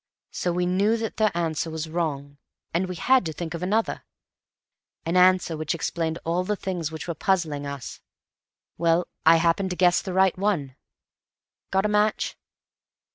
So we knew that their answer was wrong, and we had to think of another—an answer which explained all the things which were puzzling us. Well, I happened to guess the right one. Got a match?"